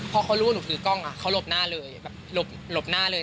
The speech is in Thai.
พอเขารู้ว่าหนูถือกล้องเขาหลบหน้าเลยแบบหลบหน้าเลย